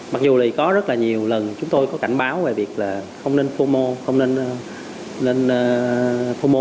mặc dù là có rất là nhiều lần chúng tôi có cảnh báo về việc là không nên fomo không nên lên fomo